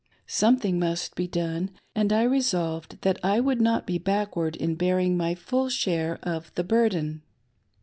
Something must be done, and I resolved that I would not be backward in bear ing my full share of the burden.